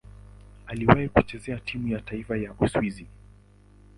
Aliwahi kucheza timu ya taifa ya Uswisi.